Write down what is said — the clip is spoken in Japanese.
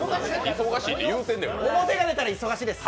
表が出たら忙しいです。